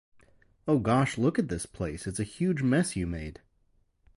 Oh gosh, look at this place, it's a huge mess you made.